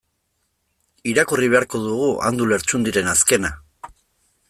Irakurri beharko dugu Andu Lertxundiren azkena.